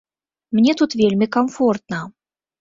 Мне тут вельмі камфортна.